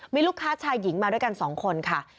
มีลูกค้าชายหญิงมาด้วยกัน๒คนค่ะ